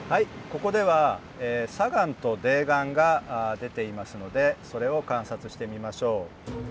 ここでは砂岩と泥岩が出ていますのでそれを観察してみましょう。